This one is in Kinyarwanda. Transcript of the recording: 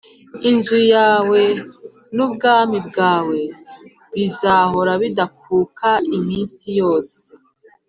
Inzu yawe n’ubwami bwawe bizahoraho bidakuka iminsi yose